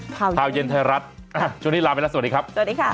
พาวเย็นไทยรัฐช่วงนี้ลาไปแล้วสวัสดีครับ